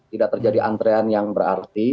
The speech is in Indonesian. tidak terjadi antrean yang berarti